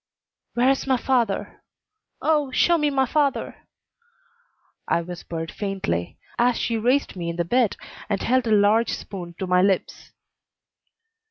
"Where is my father? Oh, show me my father?" I whispered faintly, as she raised me in the bed and held a large spoon to my lips.